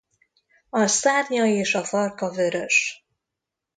A szárnya és a farka vörös.